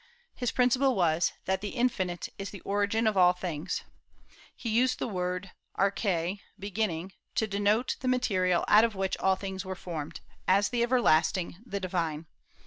His principle was that The Infinite is the origin of all things. He used the word [Greek: archae] (beginning) to denote the material out of which all things were formed, as the Everlasting, the Divine.